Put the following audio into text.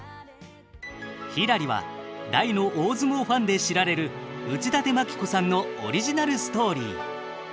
「ひらり」は大の大相撲ファンで知られる内館牧子さんのオリジナルストーリー。